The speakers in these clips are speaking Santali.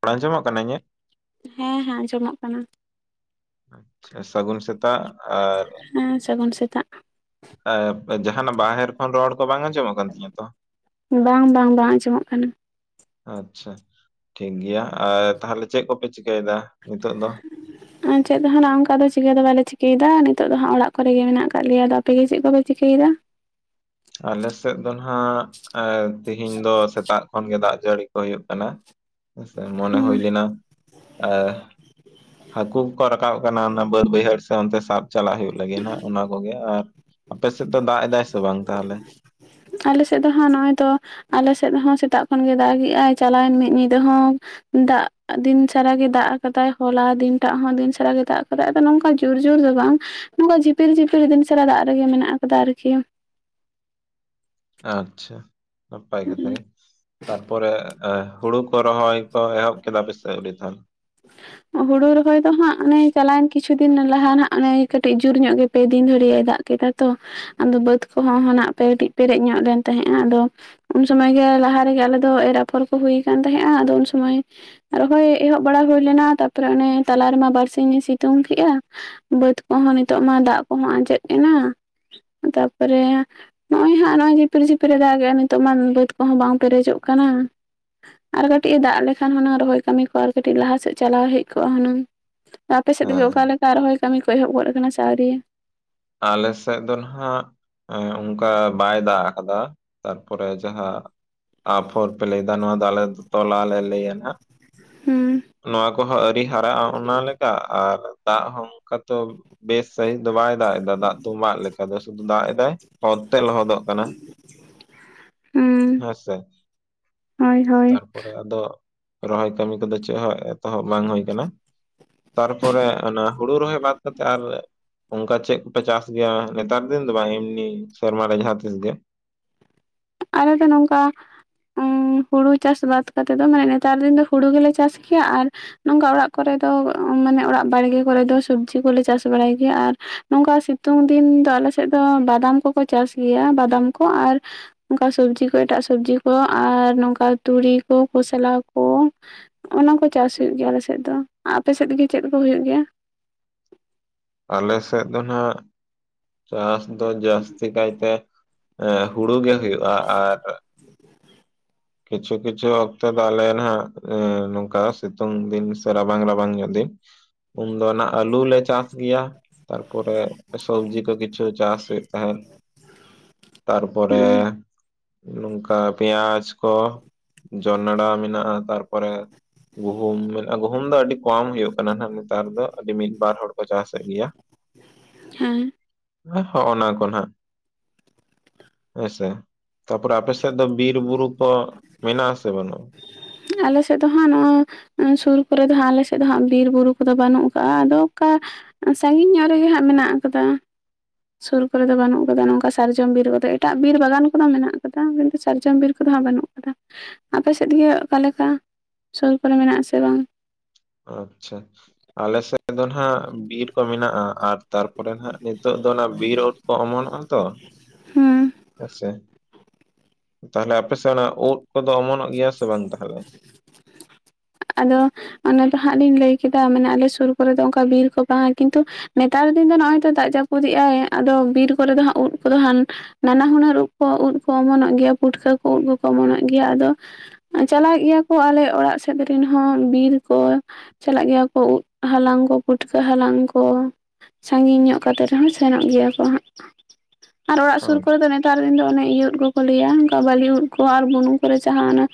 ᱨᱚᱲ ᱟᱸᱡᱚᱢᱚᱜ ᱠᱟᱱᱟ ᱤᱧᱟᱹᱜ᱾ ᱦᱮᱸ ᱦᱟᱸ ᱟᱸᱡᱚᱢᱚᱜ ᱠᱟᱱᱟ᱾ ᱟᱪᱪᱷᱟ ᱥᱟᱹᱜᱩᱱ ᱥᱮᱛᱟᱜ ᱟᱨ ᱦᱮᱸ ᱥᱟᱹᱜᱩᱱ ᱥᱮᱛᱟᱜ᱾ ᱚᱻᱮᱵᱽ ᱡᱟᱦᱟᱸ ᱱᱟᱜ ᱵᱟᱦᱮᱨ ᱠᱷᱚᱱ ᱨᱚᱲ ᱠᱚ ᱵᱟᱝ ᱟᱸᱡᱚᱢᱚᱜ ᱠᱟᱱ ᱛᱤᱧᱟᱹ ᱛᱚ? ᱵᱟᱝ ᱵᱟᱝ ᱵᱟᱝ ᱟᱸᱡᱚᱢᱚᱜ ᱠᱟᱱᱟ᱾ ᱟᱪᱪᱷᱟ ᱴᱷᱤᱠ ᱜᱮᱭᱟ ᱟᱨ ᱛᱟᱦᱚᱞᱮ ᱪᱮᱜ ᱠᱚᱯᱮ ᱪᱮᱠᱟ ᱭᱮᱫᱟ ᱱᱤᱛᱚᱜ ᱫᱚ? [inaudible] ᱟᱨ ᱪᱮᱫ ᱫᱚ ᱦᱚᱸ ᱱᱷᱟᱜ ᱚᱱᱠᱟ ᱫᱚ ᱪᱤᱠᱟᱹᱭ ᱫᱟ ᱵᱟᱞᱮ ᱪᱤᱠᱟᱹᱭ ᱫᱟ ᱱᱤᱛᱚᱜ ᱫᱚ ᱦᱟᱸᱜ ᱚᱲᱟᱜ ᱠᱚᱨᱮ ᱜᱮ ᱢᱮᱱᱟᱜ ᱟᱠᱟᱜ ᱞᱮᱭᱟ ᱟᱫᱚ ᱟᱯᱮ ᱜᱮ ᱪᱮᱜ ᱠᱚᱯᱮ ᱪᱤᱠᱟᱹᱭ ᱫᱟ? ᱟᱞᱮ ᱥᱮᱜ ᱫᱚ ᱱᱷᱟᱜ ᱮ ᱛᱤᱦᱤᱧ ᱫᱚ ᱥᱮᱛᱟᱜ ᱠᱷᱚᱱ ᱜᱮ ᱫᱟᱜ ᱡᱟᱹᱲᱤ ᱠᱚ ᱦᱩᱭᱩᱜ ᱠᱟᱱᱟ᱾ ᱦᱚᱭ ᱥᱮ ᱢᱚᱱᱮ ᱦᱮᱸ ᱦᱩᱭ ᱞᱮᱱᱟ ᱟᱻ ᱦᱟᱹᱠᱩ ᱠᱚᱠᱚ ᱨᱟᱠᱟᱵᱼᱼ ᱟᱠᱟᱱᱟ ᱚᱱᱟ ᱵᱟᱹᱫᱽ ᱵᱟᱹᱭᱦᱟᱹᱲ ᱥᱮ ᱚᱱᱛᱮ ᱥᱟᱵ ᱪᱟᱞᱟᱜ ᱦᱩᱭᱩᱜ ᱞᱟᱹᱜᱤᱫ ᱱᱷᱟᱜ ᱚᱱᱟ ᱠᱚᱜᱮ ᱟᱨ ᱟᱯᱮ ᱥᱮᱜ ᱫᱚ ᱫᱟᱜ ᱮᱫᱟᱭ ᱥᱮ ᱵᱟᱝ? ᱛᱟᱦᱚᱞᱮ? ᱟᱞᱮ ᱥᱮᱜ ᱫᱚ ᱦᱟᱸᱜ ᱱᱚᱜ-ᱚᱭ ᱛᱚ ᱟᱞᱮ ᱥᱮᱫ ᱦᱚᱸ ᱥᱮᱛᱟᱜ ᱠᱷᱚᱱ ᱜᱮ ᱫᱟᱜᱮᱜ ᱟᱭ ᱪᱟᱞᱟᱣᱮᱱ ᱢᱤᱫ ᱧᱤᱫᱟᱹ ᱦᱚᱸ ᱫᱟᱜ ᱫᱤᱱ ᱥᱟᱨᱟ ᱜᱮ ᱫᱟᱜ ᱟᱠᱟᱫᱟᱭ ᱦᱚᱞᱟ ᱫᱤᱱᱴᱟᱜ ᱦᱚᱸ ᱫᱤᱱ ᱥᱟᱨᱟ ᱜᱮ ᱫᱟᱜ ᱟᱠᱟᱫᱟᱭ ᱟᱫᱚ ᱱᱚᱝᱠᱟ ᱜᱮᱼᱼ ᱡᱩᱨ ᱡᱩᱨ ᱫᱚ ᱵᱟᱝ ᱱᱚᱝᱠᱟ ᱡᱷᱤᱯᱤᱨ ᱡᱷᱤᱯᱤᱨ ᱫᱤᱱ ᱥᱟᱨᱟ ᱫᱟᱜ ᱨᱮᱜᱮ ᱢᱮᱱᱟᱜ ᱟᱠᱟᱫᱟ ᱟᱨ ᱠᱤ᱾ ᱟᱪᱪᱷᱟ ᱱᱟᱯᱟᱭ ᱠᱟᱛᱷᱟ ᱜᱮ ᱛᱟᱨᱯᱚᱨᱮᱼᱼ ᱮ ᱦᱳᱲᱳ ᱠᱚ ᱨᱚᱦᱚᱭ ᱠᱚ ᱮᱦᱚᱵ ᱠᱮᱫᱟ ᱯᱮ ᱥᱮ ᱟᱹᱣᱨᱤ ᱛᱟᱦᱚᱞᱮ? [inaudible] ᱦᱳᱲᱳ ᱨᱚᱦᱚᱭ ᱫᱚ ᱦᱟᱸᱜ ᱚᱱᱮ ᱪᱟᱞᱟᱣᱮᱱ ᱠᱤᱪᱷᱩ ᱫᱤᱱ ᱞᱟᱦᱟ ᱱᱷᱟᱜ ᱚᱱᱮ ᱠᱟᱹᱴᱤᱡ ᱡᱩᱨ ᱧᱚᱜ ᱜᱮ ᱯᱮ ᱫᱤᱱ ᱫᱷᱟᱹᱨᱤᱡ ᱮ ᱫᱟᱜ ᱠᱮᱫᱟ ᱛᱚ, ᱟᱫᱚ ᱵᱟᱹᱫᱽ ᱠᱚᱦᱚᱸ ᱱᱟᱜ ᱯᱮᱨᱮᱡ ᱧᱚᱜ ᱞᱮᱱ ᱛᱟᱦᱮᱸᱜᱼᱟ ᱟᱫᱚ ᱩᱱ ᱥᱚᱢᱚᱭ ᱜᱮ ᱞᱟᱦᱟ ᱨᱮᱜᱮ ᱟᱞᱮ ᱫᱚ ᱮᱨᱼᱟᱯᱷᱚᱨ ᱠᱚ ᱦᱩᱭ ᱟᱠᱟᱱ ᱛᱟᱸᱦᱮᱫᱼᱟ, ᱟᱫᱚ ᱩᱱ ᱥᱚᱢᱚᱭ ᱨᱚᱦᱚᱭ ᱮᱦᱚᱵᱼᱼ ᱵᱟᱲᱟ ᱦᱩᱭ ᱞᱮᱱᱟ ᱛᱟᱯᱚᱨᱮ ᱚᱱᱮ ᱛᱟᱞᱟ ᱨᱮᱢᱟ ᱵᱟᱹᱨᱥᱤᱧ ᱮ ᱥᱤᱛᱩᱝ ᱠᱮᱫᱼᱟ᱾ ᱵᱟᱹᱫᱽ ᱠᱚᱦᱚᱸ ᱱᱤᱛᱚᱜ ᱢᱟ ᱫᱟᱜ ᱠᱚᱦᱚᱸ ᱟᱸᱡᱮᱫ ᱮᱱᱟ ᱛᱟᱯᱚᱨᱮ ᱱᱚᱜᱼᱚᱭ ᱦᱟᱸᱜ ᱱᱚᱜᱼᱚᱭ ᱡᱷᱤᱯᱤᱨ ᱡᱷᱤᱯᱤᱨᱮ ᱫᱟᱜᱮᱜᱼᱟ ᱱᱤᱛᱚᱜ ᱢᱟ ᱵᱟᱹᱫᱽ ᱠᱚᱦᱚᱸ ᱵᱟᱝ ᱯᱮᱨᱮᱡᱚᱜ ᱠᱟᱱᱟ᱾ ᱟᱨ ᱠᱟᱹᱴᱤᱡ ᱮ ᱫᱟᱜ ᱞᱮᱠᱷᱟᱱ ᱦᱩᱱᱟᱹᱝ ᱨᱚᱦᱚᱭ ᱠᱟᱹᱢᱤ ᱠᱚ ᱟᱨ ᱠᱟᱹᱴᱤᱡ ᱞᱟᱦᱟ ᱥᱮᱫ ᱪᱟᱞᱟᱣ ᱦᱮᱡ ᱠᱚᱜᱼᱟ ᱦᱩᱱᱟᱹᱝ ᱟᱯᱮ ᱥᱮᱫ ᱜᱮ ᱦᱮᱸ ᱚᱠᱟᱞᱮᱼᱼ ᱟᱨ ᱨᱚᱦᱚᱭ ᱠᱟᱹᱢᱤ ᱠᱚ ᱮᱦᱚᱵ ᱜᱚᱫ ᱟᱠᱟᱱᱟ ᱥᱮ ᱟᱹᱣᱨᱤᱭᱟ ᱟᱞᱮ ᱥᱮᱫ ᱫᱚ ᱱᱷᱟᱜ ᱮᱻ ᱚᱱᱠᱟ ᱵᱟᱭ ᱫᱟᱜ ᱟᱠᱟᱫᱟ, ᱛᱟᱨᱯᱚᱨᱮ ᱡᱟᱦᱟᱸ ᱟᱯᱷᱚᱨ ᱯᱮ ᱞᱟᱹᱭ ᱮᱫᱟ ᱱᱚᱣᱟ ᱫᱚ ᱟᱞᱮ ᱫᱚ ᱛᱚᱞᱟ ᱞᱮ ᱞᱟᱹᱭᱟ ᱱᱷᱟᱜ ᱦᱩᱸ ᱱᱚᱣᱟ ᱠᱚᱦᱚᱸ ᱟᱹᱣᱨᱤ ᱦᱟᱨᱟᱜᱼᱟ ᱚᱱᱟᱞᱮᱠᱟ ᱟᱨ ᱫᱟᱜ ᱦᱚᱸ ᱚᱱᱠᱟ ᱛᱚ ᱵᱮᱥ ᱥᱟᱦᱤᱸᱡ ᱫᱟᱜ ᱮᱫᱟ ᱫᱟᱜ ᱛᱚᱸᱵᱟᱜ ᱞᱮᱠᱟ ᱫᱚ ᱥᱩᱫᱷᱩ ᱫᱟᱜ ᱮᱫᱟᱭ ᱚᱛ ᱛᱮ ᱞᱚᱦᱚᱫᱚᱜ ᱠᱟᱱᱟ᱾ ᱦᱩᱸ ᱦᱮᱸ ᱥᱮ ᱦᱳᱭ ᱦᱳᱭ ᱛᱟᱨᱯᱚᱨᱮ ᱟᱫᱚ ᱨᱚᱦᱚᱭ ᱠᱟᱹᱢᱤ ᱠᱚᱫᱚ ᱪᱮᱫ ᱦᱚᱸ ᱮᱛᱚᱦᱚᱵ ᱵᱟᱝ ᱦᱩᱭ ᱟᱠᱟᱱᱟ᱾ ᱛᱟᱨᱯᱚᱨᱮ ᱚᱱᱟ ᱦᱩᱲᱩ ᱨᱚᱦᱚᱭ ᱵᱟᱫᱽ ᱠᱟᱛᱮᱜ ᱟᱨ ᱚᱱᱠᱟ ᱪᱮᱫ ᱠᱚ ᱯᱮ ᱪᱟᱥ ᱜᱮᱭᱟ ᱱᱮᱛᱟᱨ ᱫᱤᱱ ᱫᱚ ᱵᱟᱝ ᱮᱢᱱᱤ ᱥᱮᱨᱢᱟ ᱨᱮ ᱡᱟᱦᱟᱸᱛᱤᱥ ᱜᱮ? ᱟᱞᱮ ᱫᱚ ᱱᱚᱝᱠᱟ ᱦᱩᱲᱩ ᱪᱟᱥ ᱵᱟᱫᱽ ᱠᱟᱛᱮᱫ ᱫᱚ ᱢᱟᱱᱮ ᱱᱮᱛᱟᱨ ᱫᱤᱱ ᱫᱚ ᱦᱩᱲᱩ ᱜᱮᱞᱮ ᱪᱟᱥ ᱜᱮᱭᱟ ᱟᱨ ᱱᱚᱝᱠᱟ ᱚᱲᱟᱜ ᱠᱚᱨᱮ ᱫᱚ ᱢᱟᱱᱮ ᱚᱲᱟᱜ ᱵᱟᱲᱜᱮ ᱠᱚᱨᱮ ᱫᱚ ᱥᱚᱵᱽᱡᱤ ᱠᱚᱞᱮ ᱪᱟᱥ ᱵᱟᱲᱟᱭ ᱜᱮᱭᱟ ᱟᱨ ᱱᱚᱝᱠᱟ ᱥᱤᱛᱩᱝ ᱫᱤᱱ ᱫᱚ ᱟᱞᱮ ᱥᱮᱫ ᱫᱚ ᱵᱟᱫᱟᱢ ᱠᱚᱠᱚ ᱪᱟᱥ ᱜᱮᱭᱟ ᱵᱟᱫᱟᱢ ᱠᱚ ᱟᱨ ᱚᱱᱠᱟ ᱥᱚᱵᱽᱡᱤ ᱠᱚ, ᱮᱴᱟᱜ ᱥᱚᱵᱽᱡᱤ ᱠᱚ, ᱟᱨ ᱱᱚᱝᱠᱟ ᱛᱩᱲᱤ ᱠᱚ, ᱠᱷᱚᱥᱞᱟ ᱠᱚ, ᱚᱱᱟ ᱠᱚ ᱪᱟᱥ ᱦᱩᱭᱩᱜ ᱜᱮᱭᱟ ᱟᱞᱮᱥᱮᱫ ᱫᱚ,, ᱟᱯᱮ ᱥᱮᱫᱜᱮ ᱪᱮᱫ ᱠᱚ ᱦᱩᱭᱩᱜ ᱜᱮᱭᱟ? ᱟᱞᱮ ᱥᱮᱫ ᱫᱚ ᱱᱟᱜ ᱪᱟᱥ ᱫᱚ ᱡᱟᱹᱥᱛᱤ ᱠᱟᱭᱛᱮ ᱦᱩᱲᱩ ᱜᱮ ᱦᱩᱭᱩᱜᱼᱟ ᱟᱨ [inaudible] ᱠᱤᱪᱷᱩ ᱠᱤᱪᱷᱩ ᱚᱠᱛᱚ ᱫᱚ ᱟᱞᱮ ᱱᱟᱦᱸᱟᱜ ᱱᱚᱝᱠᱟ ᱥᱤᱛᱩᱝ ᱫᱤᱱ ᱥᱮ ᱨᱟᱵᱟᱝ ᱨᱟᱵᱟᱝ ᱧᱚᱜ ᱫᱤᱱ ᱩᱱᱫᱚ ᱚᱱᱟ ᱟᱹᱞᱩ ᱞᱮ ᱪᱟᱥ ᱜᱮᱭᱟ᱾ ᱛᱟᱨᱯᱚᱨᱮ ᱥᱚᱵᱽᱡᱤ ᱠᱚ ᱠᱤᱪᱷᱩ ᱪᱟᱥ ᱦᱩᱭᱩᱜ ᱛᱟᱦᱮᱸᱫ᱾ ᱛᱟᱨᱯᱚᱨᱮ ᱦᱩᱸ ᱱᱚᱝᱠᱟ ᱯᱮᱸᱭᱟᱡ, ᱠᱚ ᱡᱚᱱᱲᱟ ᱢᱮᱱᱟᱜᱼᱟ ᱛᱟᱨᱯᱚᱨᱮ ᱜᱩᱦᱩᱢ ᱢᱮᱱᱟᱜᱼᱟ,. ᱜᱩᱦᱩᱢ ᱫᱚ ᱟᱹᱰᱤ ᱠᱚᱢ ᱦᱩᱭᱩᱜ ᱠᱟᱱᱟ ᱱᱟᱦᱟᱜ ᱱᱮᱛᱟᱨ ᱫᱚ ᱟᱹᱰᱤ ᱢᱤᱫ ᱵᱟᱨ ᱦᱚᱲ ᱠᱚ ᱪᱟᱥᱮᱫ ᱜᱮᱭᱟ᱾ ᱦᱮᱸ ᱦᱚᱸ ᱦᱚᱸᱜ-ᱚᱱᱟ ᱠᱚ ᱱᱟᱜ ᱦᱮᱸᱥᱮ ᱛᱟᱯᱚᱨᱮ ᱟᱯᱮ ᱥᱮᱫ ᱫᱚ ᱵᱤᱨ ᱵᱩᱨᱩ ᱠᱚ ᱢᱮᱱᱟᱜ ᱟᱥᱮ ᱵᱟᱹᱱᱩᱜᱼᱟ? ᱟᱞᱮᱥᱮᱫ ᱫᱚ ᱦᱟᱸᱜ ᱱᱚᱜᱼᱚᱭ ᱥᱩᱨ ᱠᱚᱨᱮ ᱫᱚ ᱦᱟᱸᱜ ᱟᱞᱮ ᱥᱮᱫ ᱫᱚ ᱦᱟᱸᱜ ᱵᱤᱨᱼᱵᱩᱨᱩ ᱠᱚᱫᱚ ᱵᱟᱹᱱᱩᱜ ᱠᱟᱜᱼᱟ ᱟᱫᱚ ᱚᱱᱠᱟ ᱥᱟᱺᱜᱤᱧ ᱧᱚᱜ ᱨᱮᱜᱮ ᱦᱟᱸᱜ ᱢᱮᱱᱟᱜ ᱟᱠᱟᱫᱟ᱾ ᱥᱩᱨ ᱠᱚᱨᱮ ᱫᱚ ᱵᱟᱹᱱᱩᱜ ᱟᱠᱟᱫᱟ ᱱᱚᱝᱠᱟ ᱥᱟᱨᱡᱚᱢ ᱵᱤᱨ ᱠᱚᱫᱚ ᱮᱴᱟᱜ ᱵᱤᱨ ᱵᱟᱜᱟᱱ ᱠᱚᱫᱚ ᱢᱮᱱᱟᱜ ᱟᱠᱟᱫᱟ ᱠᱤᱱᱛᱩ ᱥᱟᱨᱡᱚᱢ ᱵᱤᱨ ᱠᱚᱫᱚ ᱦᱟᱸᱜ ᱵᱟᱹᱱᱩᱜ ᱟᱠᱟᱫᱟ, ᱟᱯᱮ ᱥᱮᱫ ᱜᱮ ᱚᱠᱟᱮᱠᱟ ᱥᱩᱨ ᱠᱚᱨᱮ ᱢᱮᱱᱟᱜ ᱟᱥᱮ ᱵᱟᱝ? ᱟᱪᱪᱷᱟ ᱟᱞᱮᱥᱮᱫ ᱫᱚ ᱱᱟᱦᱟᱜ ᱵᱤᱨ ᱠᱚ ᱢᱮᱱᱟᱜᱼᱟ, ᱟᱨ ᱛᱟᱨᱯᱚᱨᱮ ᱱᱟᱜ ᱱᱤᱛᱚᱜ ᱫᱚ ᱚᱱᱟ ᱵᱤᱨ ᱳᱫ ᱠᱚ ᱚᱢᱚᱱᱚᱜᱼᱟ ᱛᱚ᱾ [unintelligible] ᱦᱳᱭ ᱥᱮ ᱛᱟᱦᱞᱮ, ᱟᱯᱮ ᱥᱮᱜ ᱚᱱᱟ ᱩᱫ ᱠᱚᱫᱚ ᱚᱢᱚᱱᱚᱜ ᱜᱮᱭᱟ ᱥᱮ ᱵᱟᱝ, ᱛᱟᱦᱞᱮ? [unintelligible] ᱟᱫᱚ ᱚᱱᱮ ᱛᱚ ᱦᱟᱸᱜ ᱞᱤᱧ ᱞᱟᱹᱭ ᱠᱮᱫᱟ, ᱢᱮᱱᱟᱜ ᱟᱞᱮ ᱥᱩᱨ ᱠᱚᱨᱮ ᱫᱚ ᱚᱝᱠᱟ ᱵᱤᱨ ᱠᱚ ᱵᱟᱝ ᱠᱤᱱᱛᱩ ᱱᱮᱛᱟᱨ ᱫᱤᱱ ᱫᱚ ᱱᱚᱜᱼᱚᱭ ᱛᱚ, ᱫᱟᱜ ᱡᱟᱹᱯᱩᱫᱤᱜ ᱟᱭ, ᱟᱫᱚ ᱵᱤᱨ ᱠᱚᱨᱮ ᱫᱚ ᱦᱟᱸᱜ ᱩᱫ ᱠᱚᱫᱚ ᱦᱟᱱ ᱱᱟᱱᱟ ᱦᱩᱱᱟᱹᱨ ᱩᱵ ᱠᱚ, ᱩᱫ ᱠᱚ ᱚᱢᱚᱱᱚᱜ ᱜᱮᱭᱟ᱾ ᱯᱩᱴᱠᱟᱹ ᱠᱚ, ᱩᱫ ᱠᱚᱠᱚ ᱚᱢᱚᱱᱚᱜ ᱜᱮᱭᱟ᱾ ᱟᱫᱚ ᱟᱸ, ᱪᱟᱞᱟᱜ ᱜᱮᱹᱭᱟ ᱠᱚ, ᱟᱞᱮ ᱚᱲᱟᱜ ᱥᱮᱫ ᱨᱤᱱ ᱦᱚᱸ ᱵᱤᱨ ᱠᱚ᱾ ᱪᱟᱞᱟᱜ ᱜᱮᱭᱟ ᱠᱚ, ᱩᱫ ᱦᱟᱞᱟᱝ ᱠᱚ, ᱯᱩᱴᱠᱟᱹ ᱦᱟᱞᱟᱝ ᱠᱚ? ᱥᱟᱺᱜᱤᱧ ᱧᱚᱜ ᱠᱟᱛᱮ ᱨᱮᱦᱚᱸ, ᱥᱮᱱᱚᱜ ᱜᱮᱭᱟ ᱠᱚ ᱦᱟᱸᱜ ᱟᱨ ᱚᱲᱟᱜ ᱥᱩᱨ ᱠᱚᱨᱮ ᱫᱚ ᱱᱮ ᱛᱟᱨ ᱫᱤᱱ ᱫᱚ ᱚᱱᱮ ᱤᱭᱟᱹ ᱩᱫ ᱠᱚᱠᱚ ᱞᱟᱹᱭᱟ, ᱚᱝᱠᱟ ᱵᱟᱞᱤ ᱩᱫ ᱠᱚ ᱟᱨ ᱵᱩᱱᱩᱢ ᱠᱚᱨᱮ ᱡᱟᱦᱟᱸ ᱟᱱᱟ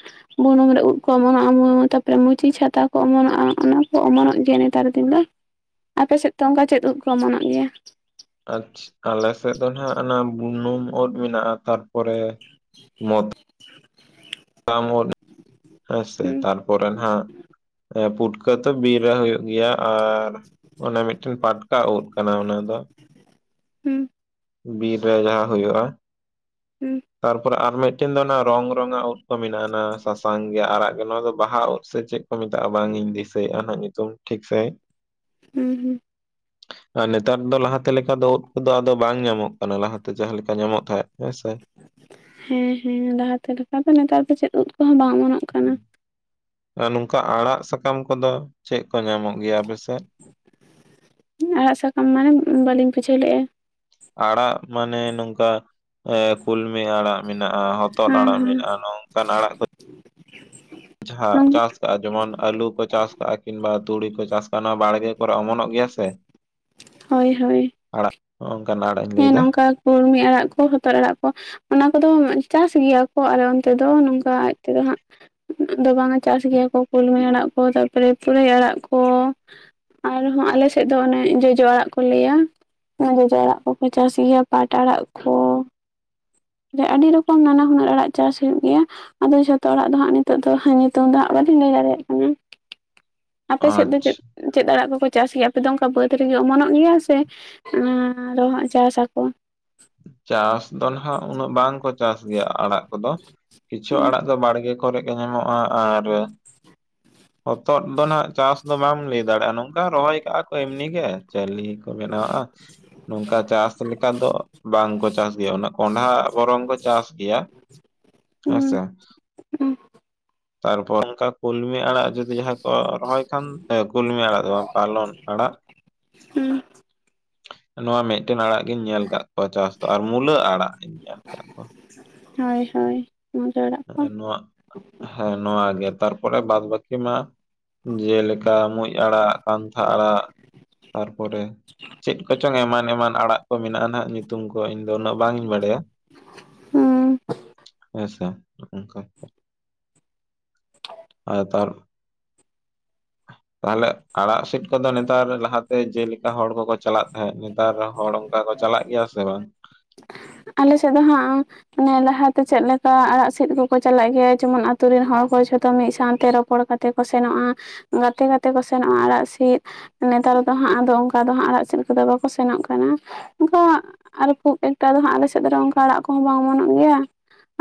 ᱵᱚᱱᱩᱢ ᱨᱮ ᱩᱫ ᱠᱚ ᱚᱢᱚᱱᱚᱜ-ᱟ [unintelligible] ᱛᱟᱯᱚᱨᱮ ᱢᱩᱪᱤ ᱪᱷᱟᱛᱟ ᱠᱚ ᱚᱢᱚᱱᱚᱜᱼᱟ, ᱟᱱᱟ ᱠᱚ ᱚᱢᱚᱱᱚᱜ ᱜᱮᱹᱭᱟ ᱱᱮᱛᱟᱨ ᱫᱤᱱ ᱫᱚ᱾ ᱟᱯᱮ ᱥᱮᱫ ᱛᱚ ᱚᱝᱠᱟ ᱪᱮᱫ ᱩᱫ ᱠᱚ ᱚᱢᱚᱱᱚᱜ ᱜᱮᱭᱟ? ᱟᱪᱷ, ᱟᱞᱮ ᱥᱮᱫ ᱫᱚᱱ ᱦᱟᱸᱜ ᱟᱱᱟ ᱵᱩᱱᱩᱢ ᱩᱫ ᱢᱮᱱᱟᱜᱼᱟ᱾ ᱛᱟᱯᱚᱨᱮ ᱢᱚᱛ [unintelligible] ᱟᱢ ᱩᱫ ᱮᱸ ᱥᱮ, ᱦᱩᱸ ᱛᱟᱨᱯᱚᱨᱮ ᱱᱟᱜ ᱮᱸ, ᱯᱩᱴᱠᱟᱹ ᱛᱚ ᱵᱤᱨ ᱨᱮ ᱦᱩᱭᱩᱜ ᱜᱤᱭᱟ ᱟᱨ ᱚᱱᱮ ᱢᱤᱫᱴᱮᱹᱱ ᱯᱟᱴᱠᱟ ᱩᱫ, ᱠᱟᱱᱟ ᱚᱱᱟ ᱫᱚ, ᱦᱩᱸ ᱵᱤᱨ ᱨᱮ ᱡᱟᱦᱟ ᱦᱩᱭᱩᱜᱼᱟ᱾ ᱦᱩᱸ ᱛᱟᱨᱯᱚᱨᱮ ᱟᱨ ᱢᱤᱫᱴᱤᱱ ᱫᱚ ᱚᱱᱟ ᱨᱚᱝ, ᱨᱚᱝᱟᱜ ᱩᱫ᱾ ᱠᱚ ᱢᱤᱱᱟᱜ ᱟᱱᱟ ᱥᱟᱥᱟᱝ ᱜᱮ, ᱟᱨᱟᱜ ᱜᱮ ᱱᱚᱣᱟ ᱫᱚ ᱵᱟᱦᱟ ᱩᱫ ᱥᱮ ᱪᱮᱫ ᱠᱚ ᱢᱮᱛᱟᱜᱼᱟ, ᱵᱟᱝ ᱤᱧ ᱫᱤᱥᱟᱹᱭᱮᱜᱼᱟ ᱱᱟᱜ ᱧᱩᱛᱩᱢ? ᱴᱷᱤᱠ ᱥᱮᱹ ᱦᱩᱸ ᱦᱩᱸ, ᱟ ᱱᱮᱹᱛᱟᱫ ᱫᱚ, ᱞᱟᱦᱟᱛᱮᱹ ᱞᱮᱹᱠᱟ ᱫᱚ, ᱳᱫ ᱠᱚᱫᱚ ᱟᱫᱚ ᱵᱟᱝ ᱧᱟᱢᱚᱜ ᱠᱟᱱᱟ, ᱞᱟᱦᱟᱛᱮᱹ ᱡᱟᱦᱟᱸ ᱞᱮᱹᱠᱟ ᱧᱟᱢᱚᱜ ᱛᱟᱦᱮᱸᱫ, ᱦᱮᱸᱥᱮ! ᱦᱮᱸ ᱦᱮᱸ, ᱞᱟᱦᱟᱛᱮ ᱞᱮᱠᱟ ᱫᱚ ᱱᱮᱛᱟᱨ ᱫᱚ ᱪᱮᱫ ᱩᱫ ᱠᱚᱦᱚᱸ ᱵᱟᱝ ᱚᱢᱚᱱᱚᱜ ᱠᱟᱱᱟ᱾ ᱟᱸ, ᱱᱚᱝᱠᱟ ᱟᱲᱟᱜ ᱥᱟᱠᱟᱢ ᱠᱚᱫᱚ, ᱪᱮᱜ ᱠᱚ ᱧᱟᱢᱚᱜ ᱜᱮᱹᱭᱟ ᱟᱯᱮᱥᱮᱫ? ᱩᱸᱻ, ᱟᱲᱟᱜ ᱥᱟᱠᱟᱢ ᱢᱟᱱᱮ, ᱩᱸ, ᱵᱟᱹᱞᱤᱧ ᱵᱩᱡᱷᱟᱹᱣ ᱞᱮᱜᱼᱟ? ᱟᱲᱟᱜ ᱢᱟᱱᱮᱹ ᱱᱚᱝᱠᱟ ᱦᱮᱸ ᱠᱩᱞᱢᱤ ᱟᱲᱟᱜ ᱢᱮᱱᱟᱜᱼᱟ, ᱦᱚᱛᱚᱫ ᱦᱮᱸ ᱟᱲᱟᱜ ᱢᱮᱱᱟᱜᱼᱟ, ᱱᱚᱝᱠᱟᱱ ᱟᱲᱟᱜ ᱠᱚ, ᱡᱟᱦᱟ ᱦᱮᱸ ᱪᱟᱥ ᱠᱟᱜᱼᱟ, ᱡᱮᱢᱚᱱ ᱟᱞᱩ ᱠᱚ ᱪᱟᱥ ᱠᱟᱜᱼᱟ ᱠᱤᱱᱵᱟ ᱛᱩᱲᱤ ᱠᱚ ᱪᱟᱥ ᱠᱟᱜᱼᱟ, ᱟᱱᱟ ᱵᱟᱲᱜᱮ ᱠᱚᱨᱮ ᱚᱢᱚᱱᱚᱜ ᱜᱮᱭᱟ ᱥᱮ! ᱦᱳᱭ ᱦᱳᱭ᱾ ᱟᱲᱟᱜ, ᱚᱝᱠᱟ ᱱᱟᱲᱮᱹ ᱦᱮᱸ ᱱᱚᱝᱠᱟ ᱠᱩᱲᱢᱤ ᱟᱲᱟᱜ ᱠᱚ ᱦᱚᱛᱚᱫ ᱟᱲᱟᱜ ᱠᱚ᱾ ᱚᱱᱟ ᱠᱚᱫᱚ, ᱩᱸ ᱪᱟᱥ ᱜᱤᱭᱟ ᱠᱚ ᱟᱞᱮ ᱚᱱᱛᱮ ᱫᱚ᱾ ᱱᱚᱝᱠᱟ ᱟᱡ ᱛᱮᱫᱚ ᱦᱟᱸᱜ ᱩᱸ, ᱫᱚ ᱵᱟᱝᱟ ᱪᱟᱥ ᱜᱮᱹᱭᱟ ᱠᱚ, ᱠᱩᱞᱢᱤ ᱟᱲᱟᱜ ᱠᱚ ᱛᱟᱨᱯᱚᱨᱮ ᱯᱩᱨᱟᱹᱭ ᱟᱲᱟᱜ ᱠᱚ᱾ ᱟᱨᱦᱚᱸ ᱟᱞᱮᱥᱮᱫ ᱫᱚ ᱚᱱᱮ ᱡᱚᱡᱚ ᱟᱲᱟᱜ ᱠᱚ ᱞᱟᱹᱭᱟ, ᱚᱶᱟ ᱡᱚᱡᱚ ᱟᱲᱟᱜ ᱠᱚ᱾ [inaudible] ᱪᱟᱥ ᱜᱮᱭᱟ ᱯᱟᱴ ᱟᱲᱟᱜ ᱠᱷᱚ, ᱡᱮ, ᱟᱰᱤ ᱨᱚᱠᱚᱢ ᱱᱟᱱᱟ-ᱦᱩᱱᱟᱹᱨ ᱟᱲᱟᱜ ᱪᱟᱥ ᱦᱩᱭᱩᱜ ᱜᱮᱹᱭᱟ᱾ ᱟᱫᱚ ᱡᱷᱚᱛᱚ ᱦᱚᱲᱟᱜ ᱫᱚ ᱦᱟᱸᱜ ᱱᱤᱛᱚᱜ ᱫᱚ ᱧᱩᱛᱩᱢ ᱫᱚ ᱦᱟᱸᱜ ᱵᱟᱹᱞᱤᱧ ᱞᱟᱹᱭ ᱫᱟᱲᱮᱭᱟᱜ ᱠᱟᱱᱟ᱾ ᱟᱯᱮ ᱥᱮᱫ ᱫᱚ ᱪᱮᱫ, ᱟᱪᱪᱷᱟ ᱪᱮᱫ ᱟᱲᱟᱜ ᱠᱚᱠᱚ ᱪᱟᱥ ᱜᱮᱭᱟ? ᱟᱯᱮ ᱫᱚ ᱚᱱᱠᱟ ᱵᱟᱹᱫᱽ ᱨᱮᱜᱮ ᱚᱢᱚᱱᱚᱜ ᱜᱮᱭᱟ ᱥᱮ? ᱟᱸ, ᱟᱨᱚ ᱦᱟᱸᱜ ᱪᱟᱥ ᱟᱠᱚᱣᱟ, ᱪᱟᱥ ᱫᱚ ᱱᱟᱦᱟᱜ ᱩᱱᱟᱹᱜ ᱵᱟᱝᱠᱚ ᱪᱟᱥ ᱜᱮᱹᱭᱟ ᱟᱲᱟᱜ ᱠᱚᱫᱚ, ᱠᱤᱪᱷᱚ ᱟᱲᱟᱜ ᱫᱚ ᱵᱟᱲᱜᱮ ᱠᱚ ᱠᱚᱨᱮᱹᱜ ᱜᱮ ᱧᱟᱢᱚᱜᱼᱟ ᱟᱨ [unintelligible] ᱦᱚᱛᱚᱫ ᱫᱚ ᱱᱟᱜ ᱪᱟᱥ ᱫᱚ ᱵᱟᱢ ᱞᱟᱹᱭ ᱫᱟᱲᱮᱜᱼᱟ, ᱱᱚᱝᱠᱟ ᱨᱚᱦᱚᱭ ᱠᱟᱜᱼᱟ ᱠᱚ ᱮᱢᱱᱤ ᱜᱮ, ᱪᱟᱹᱞᱤ ᱠᱚ ᱵᱮᱱᱟᱣᱟᱜᱼᱟ᱾ ᱱᱚᱝᱠᱟ ᱪᱟᱥ ᱞᱮᱹᱠᱟ ᱫᱚ ᱵᱟᱝ ᱠᱚ ᱪᱟᱥ ᱜᱮᱭᱟ ᱩᱱᱟᱹᱜ, ᱠᱚᱸᱰᱷᱟ ᱵᱚᱨᱚᱝ ᱠᱚ ᱪᱟᱥ ᱜᱮᱭᱟ, ᱦᱮᱸᱥᱮ? ᱩᱸ, ᱛᱟᱨᱯᱚᱨ ᱚᱱᱠᱟ, ᱠᱩᱞᱢᱤ ᱟᱲᱟᱜ ᱡᱩᱫᱤ ᱡᱟᱦᱟᱸᱭ ᱠᱚ ᱨᱚᱦᱚᱭ ᱠᱷᱟᱱ ᱠᱩᱞᱢᱤ ᱟᱲᱟᱜ ᱫᱚ ᱵᱟᱝ ᱯᱟᱞᱚᱱ ᱟᱲᱟᱜ ᱦᱩᱸ ᱱᱚᱣᱟ ᱢᱤᱫᱴᱮᱱ ᱟᱲᱟᱜ ᱜᱤᱧ ᱧᱮᱞ ᱠᱟᱜ ᱯᱚᱨ ᱪᱟᱥ ᱫᱟ ᱟᱨ ᱢᱩᱞᱟᱹ ᱟᱲᱟᱜ ᱤᱧ ᱧᱮᱞ ᱠᱟᱜ ᱠᱚᱣᱟ ᱦᱳᱭ ᱦᱳᱭ ᱢᱩᱱᱜᱟᱹ ᱟᱲᱟᱜ ᱠᱚ ᱱᱚᱣᱟ ᱦᱮᱸ ᱱᱚᱣᱟ ᱜᱮ ᱛᱟᱨᱯᱚᱨᱮ ᱵᱟᱫ ᱵᱟᱹᱠᱤ ᱢᱟ ᱡᱮᱞᱮᱠᱟ ᱢᱩᱸᱡ ᱟᱲᱟᱜ ᱯᱟᱱᱛᱷᱟ ᱟᱲᱟᱜ ᱛᱟᱨᱯᱚᱨᱮ ᱪᱮᱫ ᱠᱚᱪᱚᱝ ᱮᱢᱟᱱ ᱮᱢᱟᱱ ᱟᱲᱟᱜ ᱠᱚ ᱢᱮᱱᱟᱜᱼᱟ ᱱᱟᱦᱟᱜ ᱧᱩ ᱧᱩᱛᱩᱢ ᱠᱚ ᱤᱧ ᱫᱚ ᱩᱱᱟᱹᱜ ᱵᱟᱝ ᱤᱧ ᱵᱟᱲᱟᱭᱟ ᱦᱩᱸ ᱦᱮᱸ ᱥᱮ ᱱᱚᱝᱠᱟ [inaudible] ᱟᱨ ᱛᱟᱨ ᱛᱟᱦᱟᱞᱮ, ᱟᱲᱟᱜ ᱥᱤᱫ ᱠᱚᱫᱚ ᱱᱮᱛᱟᱨ ᱞᱟᱦᱟᱛᱮ ᱡᱮᱞᱮᱠᱟ ᱦᱚᱲ ᱠᱚᱠᱚ ᱪᱟᱞᱟᱜ ᱛᱟᱦᱮᱸᱫ, ᱱᱮᱛᱟᱨ ᱦᱚᱲ ᱚᱱᱠᱟ ᱠᱚ ᱪᱟᱞᱟᱜ ᱜᱮᱭᱟ ᱥᱮ ᱵᱟᱝ? ᱟᱞᱮ ᱥᱮᱫ ᱫᱚ ᱦᱟᱸᱜ, ᱢᱟᱱᱮ ᱞᱟᱦᱟᱛᱮ ᱪᱮᱫ ᱞᱮᱠᱟ ᱟᱲᱟᱜ ᱥᱮᱫ ᱠᱚᱠᱚ ᱪᱟᱞᱟᱜ ᱜᱮᱭᱟ ᱡᱮᱢᱚᱱ ᱟᱛᱩ ᱨᱮᱱ ᱦᱚᱲ ᱠᱚ ᱡᱷᱚᱛᱚ ᱢᱤᱫ ᱥᱟᱶᱛᱮ ᱨᱚᱯᱚᱲ ᱠᱟ ᱛᱮ ᱠᱚ ᱥᱮᱱᱚᱜᱼᱟ, ᱜᱟᱛᱮ ᱜᱟᱛᱮ ᱠᱚ ᱥᱮᱱᱚᱜᱼᱟ ᱟᱲᱟᱜ ᱥᱤᱫ ᱱᱮᱛᱟᱨ ᱫᱚ ᱦᱟᱸᱜ ᱟᱫᱚ ᱚᱱᱠᱟ ᱫᱚ ᱦᱟᱸᱜ ᱟᱲᱟᱜ ᱪᱮᱫ ᱠᱚᱫᱚ ᱵᱟᱠᱚ ᱥᱮᱱᱚᱜ ᱠᱟᱱᱟ ᱚᱱᱠᱟ ᱟᱨ ᱠᱷᱩᱵ ᱮᱠ ᱱᱮᱛᱟᱨ ᱫᱚ ᱦᱟᱸᱜ ᱟᱞ ᱥᱮᱫ ᱨᱮ ᱚᱱᱠᱟ ᱟᱲᱟᱜ ᱠᱚᱦᱚᱸ ᱵᱟᱝ ᱚᱢᱚᱱᱚᱜ ᱜᱮᱭᱟ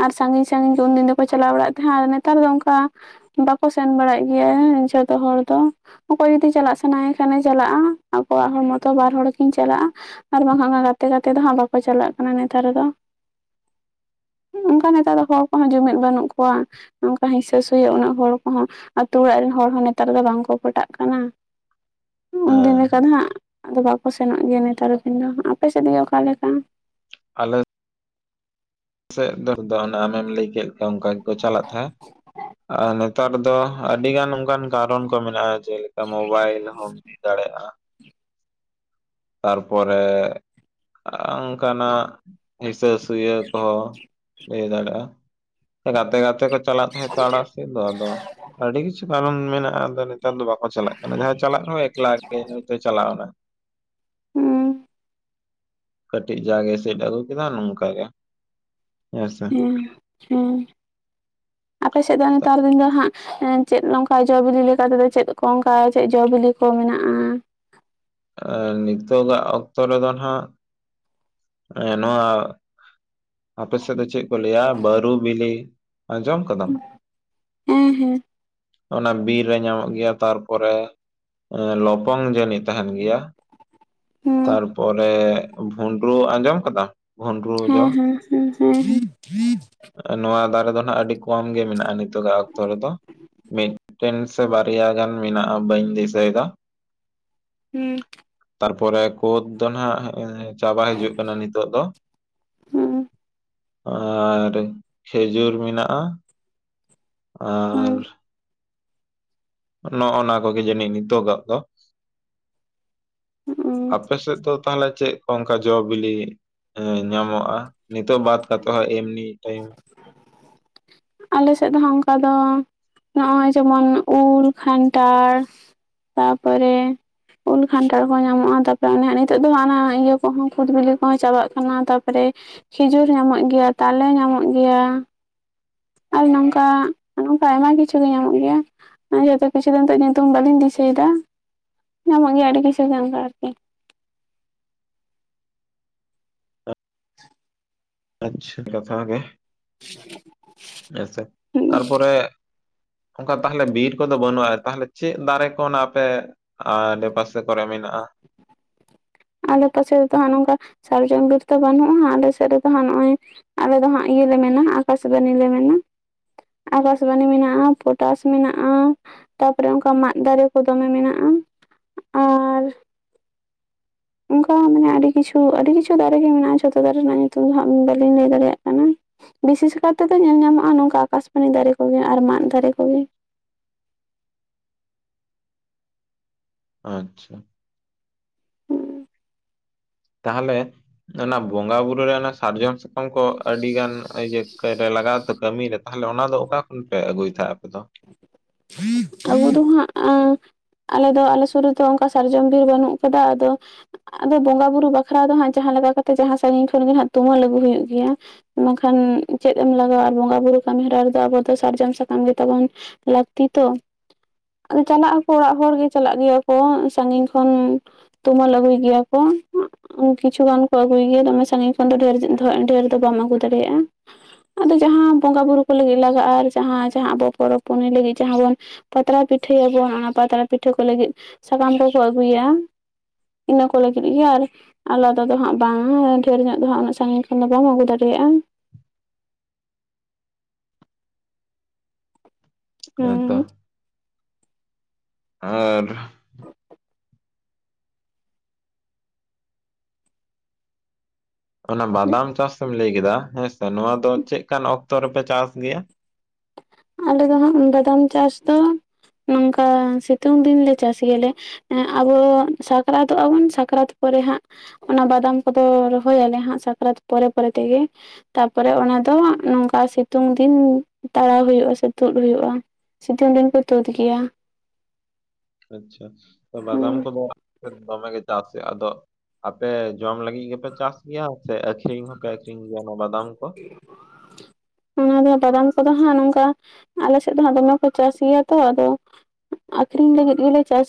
ᱟᱨ ᱥᱟᱺᱜᱤᱧ ᱥᱟᱺᱜᱤᱧ ᱜᱮ ᱩᱱᱫᱤᱱ ᱫᱚᱠᱚ ᱪᱟᱞᱟᱣ ᱵᱟᱲᱟᱜ ᱛᱟᱦᱮᱸᱜ ᱟᱨ ᱱᱮᱛᱟᱨ ᱫᱚ ᱚᱱᱠᱟ ᱵᱟᱠᱚ ᱥᱮᱱ ᱵᱟᱲᱟᱜ ᱜᱮᱭᱟ ᱡᱷᱚᱛᱚ ᱦᱚᱲ ᱫᱚ ᱚᱠᱚᱭ ᱡᱚᱫᱤ ᱪᱟᱞᱟᱜ ᱥᱟᱱᱟᱭᱮ ᱠᱷᱟᱱᱮ ᱪᱟᱞᱟᱜᱼᱟ ᱟᱠᱚᱣᱟᱜ ᱦᱚᱲᱢᱚᱛᱚ ᱵᱟᱨ ᱦᱚᱲ ᱠᱤᱱ ᱪᱟᱞᱟᱜᱼᱟ ᱟᱨ ᱵᱟᱝᱠᱷᱟᱱ ᱜᱟᱛᱮ ᱜᱟᱛᱮ ᱫᱚᱦᱟᱸᱜ ᱵᱟᱠᱚ ᱪᱟᱞᱟᱜ ᱠᱟᱱᱟ ᱱᱮᱛᱟᱨ ᱫᱚ ᱚᱱᱠᱟ ᱱᱮᱛᱟᱨ ᱫᱚ ᱦᱚᱲ ᱠᱚᱦᱚᱸ ᱡᱩᱢᱤᱫ ᱵᱟᱹᱱᱩᱜ ᱠᱚᱣᱟ ᱱᱚᱝᱠᱟ ᱦᱤᱸᱥᱟᱹ ᱥᱩᱭᱟᱹ ᱩᱱᱟᱹᱜ ᱦᱚᱲ ᱠᱚᱦᱚᱸ ᱟᱛᱳ ᱚᱲᱟᱜ ᱨᱮᱱ ᱦᱚᱲ ᱦᱚᱸ ᱱᱮᱛᱟᱨ ᱫᱚ ᱵᱟᱝᱠᱚ ᱯᱚᱴᱟᱜ ᱠᱟᱱᱟ [inaudible] ᱩᱱᱫᱤᱱ ᱦᱮᱸ ᱞᱮᱠᱟ ᱫᱚ ᱦᱟᱸᱜ ᱟᱫᱚ ᱵᱟᱠᱚ ᱥᱮᱱᱚᱜ ᱜᱮᱭᱟ ᱱᱮᱛᱟᱨ ᱫᱚ ᱠᱤᱱ ᱫᱚ ᱟᱯᱮ ᱥᱮᱫ ᱜᱮ ᱚᱠᱟ ᱞᱮᱠᱟ ᱟᱞᱮ ᱥᱮᱫ ᱫᱚ ᱫᱚ ᱟᱢᱮᱢ ᱞᱟᱹᱭ ᱠᱮᱫ ᱞᱮᱠᱟ ᱚᱱᱠᱟ ᱜᱮᱠᱚ ᱪᱟᱞᱟᱜ ᱛᱟᱦᱮᱸᱜ ᱟᱨ ᱱᱮᱛᱟᱨ ᱫᱚ ᱟᱹᱰᱤ ᱜᱟᱱ ᱚᱱᱠᱟᱱ ᱠᱟᱨᱚᱱ ᱠᱚ ᱢᱮᱱᱟᱜᱼᱟ ᱡᱮᱞᱮᱠᱟ ᱢᱳᱵᱟᱭᱤᱞ ᱦᱚᱢ ᱦᱩᱭ ᱫᱟᱲᱮᱭᱟᱜᱼᱟ ᱛᱟᱨᱯᱚᱨᱮ ᱚᱱᱠᱟᱱᱟᱜ ᱦᱤᱥᱟᱹ ᱥᱩᱭᱟᱹ ᱠᱚᱦᱚᱸ ᱤᱭᱟᱹ ᱫᱟᱲᱮᱭᱟᱜᱼᱟ ᱜᱟᱛᱮ ᱜᱟᱛᱮ ᱠᱚ ᱪᱟᱞᱟᱜ ᱛᱟᱦᱮᱸᱜ ᱛᱚ ᱟᱲᱟᱜ ᱥᱮᱫ ᱫᱚ ᱟᱫᱚ ᱟᱹᱰᱤ ᱠᱤᱪᱷᱩ ᱠᱟᱨᱚᱱ ᱢᱮᱱᱟᱜᱼᱟ ᱱᱮᱛᱟᱨ ᱫᱚ ᱵᱟᱠᱚ ᱪᱟᱞᱟᱜ ᱠᱟᱱᱟ ᱡᱟᱦᱟᱸᱭ ᱪᱟᱞᱟᱜ ᱨᱮᱦᱚᱸ ᱮᱠᱞᱟ ᱜᱮ ᱦᱚᱭᱛᱚᱭ ᱪᱟᱞᱟᱣ ᱮᱱᱟ ᱦᱩᱸ ᱠᱟᱹᱴᱤᱡ ᱡᱟᱜᱮ ᱥᱤᱫ ᱟᱜᱩ ᱠᱮᱫᱟ ᱱᱝᱠᱟ ᱜᱮ ᱦᱮᱸ ᱥᱮ ᱦᱮᱸ ᱟᱯᱮ ᱥᱮᱫ ᱫᱚ ᱱᱮᱛᱟᱨ ᱫᱤᱱ ᱫᱚ ᱦᱟᱸᱜ ᱪᱮᱫ ᱱᱝᱠᱟ ᱡᱚ ᱵᱤᱞᱤ ᱞᱮᱠᱟ ᱛᱮᱫᱚ ᱪᱮᱫ ᱠᱚ ᱚᱱᱠᱟ ᱪᱮᱫ ᱡᱚ ᱵᱤᱞᱤ ᱠᱚ ᱠᱚ ᱢᱮᱱᱟᱜᱼᱟ ᱱᱤᱛᱚᱜᱟᱜ ᱚᱠᱛᱚ ᱨᱮᱫᱚ ᱱᱟᱜ ᱱᱚᱣᱟ ᱟᱯ ᱥᱮᱫ ᱫᱚ ᱪᱮᱫ ᱠᱚ ᱞᱟᱹᱭᱟ ᱵᱟᱹᱨᱩ ᱵᱤᱞᱤ ᱟᱸᱡᱚᱢ ᱠᱟᱫᱟᱢ ᱦᱮᱸ ᱦᱮᱸ ᱚᱱᱟ ᱵᱤᱨ ᱨᱮ ᱧᱟᱢᱚᱜ ᱜᱮᱭᱟ ᱛᱟᱨᱯᱚᱨᱮ ᱞᱚᱯᱚᱝ ᱡᱟᱹᱱᱤᱡ ᱛᱟᱦᱮᱸᱱ ᱜᱮᱭᱟ ᱦᱩᱸ ᱛᱟᱨᱯᱚᱨᱮ ᱵᱷᱩᱸᱰᱨᱩ ᱟᱸᱡᱚᱢ ᱠᱟᱫᱟᱢ ᱵᱷᱩᱸᱰᱨᱩ ᱡᱚ ᱦᱮᱸ ᱦᱮᱸ ᱦᱮᱸ ᱦᱮᱸ ᱱᱚᱣᱟ ᱫᱟᱨᱮ ᱫᱚ ᱱᱟᱜ ᱟᱹᱰᱤ ᱠᱚᱢ ᱜᱮ ᱢᱮᱱᱟᱜᱼᱟ ᱱᱤᱛᱚᱜ ᱟᱜ ᱚᱠᱛᱚ ᱨᱮᱫᱚ ᱢᱤᱫᱴᱮᱱ ᱥᱮ ᱵᱟᱨᱭᱟ ᱜᱟᱱ ᱢᱮᱱᱟᱜᱼᱟ ᱵᱟᱹᱧ ᱫᱤᱥᱟᱹᱭ ᱮᱫᱟ ᱦᱮᱸ ᱛᱟᱨᱯᱚᱨᱮ ᱠᱳᱫ ᱫᱚ ᱱᱟᱜ ᱪᱟᱵᱟ ᱦᱤᱡᱩᱜ ᱠᱟᱱᱟ ᱱᱤᱛᱳᱜ ᱫᱚ ᱦᱩᱸ ᱟᱨ ᱠᱷᱮᱡᱩᱨ ᱢᱮᱱᱟᱜᱼᱟ ᱦᱩᱸ ᱟᱨ ᱱᱚᱜᱼᱱᱟ ᱠᱚᱜᱮ ᱡᱟᱹᱱᱤᱡ ᱱᱤᱛᱚᱜᱟᱜ ᱫᱚ ᱦᱩᱸ ᱟᱯᱮ ᱥᱮᱫ ᱫᱚ ᱛᱟᱦᱚᱞᱮ ᱪᱮᱫ ᱠᱚ ᱚᱝᱠᱟ ᱡᱚᱼ ᱵᱤᱞᱤ ᱦᱮᱸ ᱧᱟᱢᱚᱜᱼᱟ ᱱᱤᱛᱚᱜ ᱵᱟᱫ ᱠᱟᱛᱮᱫ ᱦᱚᱸ ᱮᱢᱱᱤ ᱴᱟᱭᱤᱢ ᱟᱞᱮ ᱥᱮᱫ ᱫᱚᱦᱟᱸ ᱚᱝᱠᱟ ᱫᱚ ᱱᱚᱜᱼᱚᱭ ᱡᱮᱢᱚᱱ ᱩᱞ ᱠᱷᱟᱱᱴᱷᱟᱲ ᱛᱟᱯᱚᱨᱮ ᱩᱞ ᱠᱷᱟᱱᱴᱷᱟᱲ ᱠᱚ ᱧᱟᱢᱚᱜᱼᱟ ᱛᱟᱯᱚᱨᱮ ᱚᱱᱮ ᱱᱤᱛᱚᱜ ᱫᱚ ᱚᱱᱟ ᱤᱭᱟᱹ ᱠᱚᱦᱚᱸ ᱠᱩᱫᱽ ᱵᱤᱞᱤ ᱠᱚᱦᱚᱸ ᱪᱟᱵᱟᱜ ᱠᱟᱱᱟ ᱛᱟᱨᱯᱚᱨᱮ ᱠᱷᱤᱡᱩᱨ ᱧᱟᱢᱚᱜ ᱜᱤᱭᱟ, ᱛᱟᱞᱮ ᱧᱟᱢᱚᱜ ᱜᱤᱭᱟ ᱾ ᱟᱨ ᱱᱚᱝᱠᱟ ᱱᱚᱝᱠᱟ ᱟᱭᱢᱟ ᱠᱤᱪᱷᱩ ᱜᱮ ᱧᱟᱢᱚᱜ ᱜᱤᱭᱟ᱾ [unintelligible] ᱠᱤᱪᱷᱩ [unintelligible] ᱵᱟᱹᱞᱤᱧ ᱫᱤᱥᱟᱹᱭ ᱫᱟ ᱧᱟᱢᱚᱜ ᱜᱤᱭᱟ ᱟᱹᱰᱤ ᱠᱤᱪᱷᱩ ᱜᱮ ᱟᱨᱠᱤ ᱾ ᱟᱪᱪᱷᱟ ᱠᱟᱛᱷᱟ ᱜᱮ ᱟᱪᱪᱷᱟ ᱦᱩᱸ ᱛᱟᱯᱚᱨ ᱨᱮ ᱚᱝᱠᱟ ᱛᱟᱦᱞᱮ ᱵᱤᱨ ᱠᱚᱫᱚ ᱵᱟᱹᱱᱩᱜᱼᱟ ᱛᱟᱦᱚᱞᱮ ᱪᱮᱜ ᱫᱟᱨᱮ ᱠᱷᱚᱱ ᱟᱯᱮ ᱟᱨ ᱟᱰᱮ ᱯᱟᱥᱮ ᱠᱚᱨᱮ ᱢᱮᱱᱟᱜᱼᱟ ᱟᱞᱮ ᱯᱟᱥᱮ ᱨᱮᱫᱚ ᱱᱚᱝᱠᱟ ᱥᱟᱨᱡᱚᱢ ᱵᱤᱨ ᱫᱚ ᱵᱟᱹᱱᱩᱜᱼᱟ ᱟᱞᱮ ᱥᱮᱫ ᱨᱮᱫᱚ ᱦᱟᱸᱜ ᱱᱚᱜᱼᱚᱭ ᱟᱞᱮ ᱫᱚ ᱦᱟᱸᱜ ᱤᱭᱟᱹ ᱞᱮ ᱢᱮᱱᱟ ᱟᱠᱟᱥᱵᱟᱱᱤ ᱞᱮ ᱢᱮᱱᱟ ᱟᱠᱟᱥᱵᱟᱱᱤ ᱢᱮᱱᱟᱜᱼᱟ ᱯᱚᱴᱟᱥ ᱢᱮᱱᱟᱜᱼᱟ ᱛᱟᱯᱚᱨᱮ ᱚᱱᱠᱟ ᱢᱟᱫ ᱫᱟᱨᱮ ᱠᱚ ᱫᱚᱢᱮ ᱢᱮᱱᱟᱜᱼᱟ ᱟᱨ ᱚᱝᱠᱟ ᱢᱟᱱᱮ ᱟᱹᱰᱤ ᱠᱤᱪᱷᱩ ᱟᱹᱰᱤ ᱠᱤᱪᱷᱩ ᱫᱟᱨᱮ ᱜᱮ ᱢᱮᱱᱟᱜᱼᱟ ᱡᱷᱚᱛᱚ ᱫᱟᱨᱮ ᱨᱮᱱᱟᱜ ᱧᱩᱛᱩᱢ ᱫᱚ ᱦᱟᱸᱜ ᱵᱟᱹᱞᱤᱧ ᱞᱟᱹᱭ ᱫᱟᱲᱮᱭᱟᱜ ᱠᱟᱱᱟ ᱵᱤᱥᱮᱥ ᱠᱟᱨᱮᱫᱚ ᱧᱮᱞ ᱧᱟᱢᱚᱜᱼᱟ ᱱᱚᱝᱠᱟ ᱟᱠᱟᱥᱯᱟᱱᱤ ᱫᱟᱨᱮ ᱠᱚᱜᱮ ᱟᱨ ᱢᱟᱫ ᱫᱟᱨᱮ ᱠᱚᱜᱮ ᱟᱪᱪᱷᱟ ᱛᱟᱦᱚᱞᱮ ᱚᱱᱟ ᱵᱚᱸᱜᱟ ᱵᱩᱨᱩ ᱨᱮ ᱚᱱᱟ ᱥᱟᱨᱡᱚᱢ ᱯᱷᱚᱝ ᱠᱚ ᱟᱹᱰᱤ ᱜᱟᱱ ᱤᱭᱟᱹ ᱞᱟᱜᱟᱣ ᱠᱟᱹᱢᱤ ᱨᱮ ᱛᱟᱦᱚᱞᱮ ᱚᱱᱟ ᱫᱚ ᱚᱠᱟ ᱠᱷᱚᱱ ᱯᱮ ᱟᱹᱜᱩᱭ ᱛᱟᱦᱮᱸᱫ ᱟᱯᱮ ᱫᱚ? ᱟᱞᱮ ᱫᱚ ᱦᱟᱸ ᱟ ᱟᱞᱮ ᱫᱚ ᱟᱞᱮ ᱥᱩᱨ ᱨᱮᱫᱚ ᱚᱝᱠᱟ ᱥᱟᱨᱡᱚᱢ ᱵᱤᱨ ᱵᱟᱹᱱᱩᱜ ᱠᱟᱫᱟ ᱟᱫᱚ ᱟᱫᱚ ᱵᱚᱸᱜᱟ ᱵᱩᱨᱩ ᱵᱟᱠᱷᱨᱟ ᱫᱚ ᱱᱟᱜ ᱡᱟᱦᱟᱸ ᱞᱮᱠᱟ ᱠᱟᱛᱮᱜ ᱡᱟᱦᱟ ᱥᱟᱺᱜᱤᱧ ᱠᱷᱚᱱᱜᱮ ᱦᱟᱸᱜ ᱛᱩᱢᱟᱹᱞ ᱟᱹᱜᱩ ᱦᱩᱭᱩᱜ ᱜᱤᱭᱟ᱾ ᱵᱟᱝᱠᱷᱟᱱ ᱪᱮᱫ ᱮᱢ ᱞᱟᱜᱟᱣᱟ ᱟᱨ ᱵᱚᱸᱜᱟ ᱵᱩᱨᱩ ᱠᱟᱹᱢᱤᱦᱚᱨᱟ ᱨᱮᱫᱚ ᱟᱵᱚ ᱫᱚ ᱥᱟᱨᱡᱚᱢ ᱥᱟᱠᱟᱢ ᱜᱮ ᱛᱵᱚᱱ ᱞᱟᱹᱠᱛᱤ ᱛᱚ ᱾ ᱟᱫᱚ ᱪᱟᱞᱟᱜ ᱟᱠᱚ ᱚᱲᱟᱜ ᱦᱚᱲ ᱜᱮ ᱪᱟᱞᱟᱜ ᱜᱮᱭᱟ ᱠᱚ ᱥᱟᱺᱟᱹᱜᱤᱧ ᱠᱷᱚᱱ ᱛᱩᱢᱟᱹ ᱟᱹᱜᱩᱭ ᱜᱮᱭᱟ ᱠᱚ ᱠᱤᱪᱷᱩ ᱜᱟᱱ ᱠᱚ ᱟᱹᱜᱩᱭ ᱜᱮᱭᱟ ᱫᱚᱢᱮ ᱥᱟᱹᱜᱤᱧ ᱠᱷᱚᱱ ᱫᱚ ᱰᱷᱮᱨ-ᱰᱷᱮᱨ ᱫᱚ ᱵᱟᱢ ᱟᱹᱜᱩ ᱫᱟᱲᱮᱭᱟᱜᱼᱟ᱾ ᱟᱫᱚ ᱡᱟᱦᱟᱸ ᱵᱚᱸᱜᱟ ᱵᱩᱨᱩ ᱠᱚ ᱞᱟᱹᱜᱤᱜ ᱞᱟᱜᱟᱜᱼᱟ ᱟᱵᱚ ᱯᱚᱨᱚᱵᱽ ᱯᱩᱱᱟᱹᱭ ᱞᱟᱹᱜᱤᱫ ᱡᱟᱦᱟᱸ ᱵᱚᱱ ᱯᱟᱛᱲᱟ ᱯᱤᱴᱷᱟᱹᱭᱟᱵᱚᱱ ᱚᱱᱟ ᱯᱟᱛᱲᱟ ᱯᱤᱴᱷᱟᱹ ᱠᱚ ᱞᱟᱹᱜᱤᱫ ᱥᱟᱠᱟᱢ ᱠᱚᱠᱚ ᱟᱹᱜᱩᱭᱟ᱾ ᱤᱱᱟᱹ ᱠᱚ ᱞᱟᱹᱜᱤᱫ ᱟᱨ ᱟᱞᱟᱫᱟ ᱫᱚ ᱦᱟᱸᱜ ᱵᱟᱝ ᱰᱷᱮᱨ ᱧᱚᱜ ᱫᱚ ᱦᱟᱜ ᱩᱱᱟᱹᱜ ᱥᱟᱺᱜᱤᱧ ᱠᱷᱚᱱ ᱫᱚ ᱵᱟᱢ ᱟᱹᱜᱩ ᱫᱟᱲᱮᱭᱟᱜᱼᱟ ᱾ ᱦᱮᱸ ᱛᱚ᱾ ᱦᱩᱸ ᱟᱨ ᱚᱱᱟ ᱵᱟᱫᱟᱢ ᱪᱟᱥᱮᱢ ᱞᱟᱹᱭ ᱠᱮᱫᱟ ᱦᱮᱸᱥᱮ ᱱᱚᱣᱟ ᱫᱚ ᱪᱮᱜᱠᱟᱱ ᱚᱠᱛᱚ ᱨᱮᱯᱮ ᱪᱟᱥ ᱜᱮᱭᱟ? ᱟᱞᱮ ᱫᱚ ᱦᱟᱸᱜ ᱵᱟᱫᱟᱢ ᱪᱟᱥ ᱫᱚ ᱱᱚᱝᱠᱟ ᱥᱤᱛᱩᱝ ᱫᱤᱱᱞᱮ ᱪᱟᱥ ᱜᱮᱭᱟᱞᱮ᱾ ᱟᱵᱚ ᱥᱟᱠᱨᱟᱛᱚᱜᱼᱟ ᱵᱚᱱ ᱥᱟᱠᱨᱟᱛ ᱯᱚᱨᱮ ᱦᱟᱸᱜ᱾ ᱚᱱᱟ ᱵᱟᱫᱟᱢ ᱠᱚᱫᱚ ᱨᱚᱦᱚᱞᱮ ᱦᱟᱸᱜ ᱥᱟᱠᱨᱟᱛ ᱯᱚᱨᱮ ᱯᱚᱨᱮ ᱛᱮᱜᱮ ᱾ ᱛᱟᱯᱚᱨᱮ ᱚᱱᱟ ᱫᱚ ᱱᱚᱝᱠᱟ ᱥᱤᱛᱩᱝ ᱫᱤᱱ ᱛᱟᱲᱟᱣ ᱦᱩᱭᱩᱜᱼᱟ ᱥᱮ ᱛᱩᱫ ᱦᱩᱭᱩᱜᱼᱟ ᱥᱤᱛᱩᱝ ᱫᱤᱱ ᱠᱚ ᱛᱩᱫ ᱜᱮᱭᱟ᱾ ᱟᱪᱪᱷᱟ ᱵᱟᱫᱟᱢ ᱦᱮᱸ ᱠᱚᱫᱚ ᱫᱚᱢᱮ ᱜᱮ ᱪᱟᱥᱮ ᱟᱫᱚ ᱟᱯᱮ ᱡᱚᱢ ᱞᱟᱹᱜᱤᱜ ᱜᱮᱯᱮ ᱪᱟᱥ ᱜᱮᱭᱟ, ᱥᱮ ᱟᱠᱷᱨᱤᱧ ᱦᱚᱸᱯᱮ ᱟᱠᱷᱨᱤᱧ ᱜᱮᱭᱟ ᱚᱱᱟ ᱵᱟᱫᱟᱢ ᱠᱚ? ᱚᱱᱟ ᱫᱚ ᱵᱟᱫᱟᱢ ᱠᱚᱫᱚ ᱦᱟᱸᱜ ᱱᱚᱝᱠᱟ ᱟᱞᱮ ᱥᱮᱫ ᱫᱚ ᱦᱟᱸᱜ ᱫᱚᱢᱮ ᱠᱚ ᱪᱟᱥ ᱜᱮᱭᱟ ᱛᱚ ᱟᱫᱚ ᱟᱠᱠᱷᱨᱤᱧ ᱞᱟᱹᱜᱤᱫ ᱜᱮᱞᱮ ᱪᱟᱥ